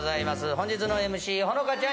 本日のＭＣほのかちゃん